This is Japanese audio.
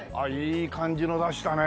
いい感じの出したね。